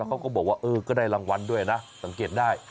เขาก็บอกว่าเออก็ได้รางวัลด้วยนะสังเกตได้